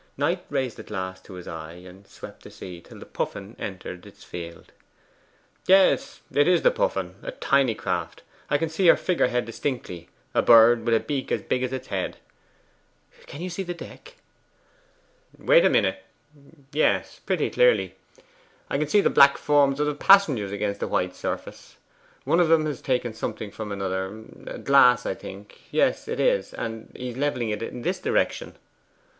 Knight raised the glass to his eye, and swept the sea till the Puffin entered its field. 'Yes, it is the Puffin a tiny craft. I can see her figure head distinctly a bird with a beak as big as its head.' 'Can you see the deck?' 'Wait a minute; yes, pretty clearly. And I can see the black forms of the passengers against its white surface. One of them has taken something from another a glass, I think yes, it is and he is levelling it in this direction.